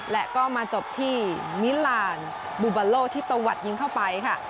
และก็มาจบที่มิลานบูบาโลที่ตะวัดยิงเข้าไปค่ะ